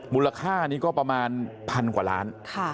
มูลค่านี้ก็ประมาณพันกว่าล้าน